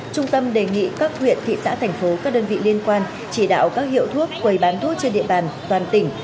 trung tâm đề nghị các huyện thị xã thành phố các đơn vị liên quan chỉ đạo các hiệu thuốc quầy bán thuốc trên địa bàn toàn tỉnh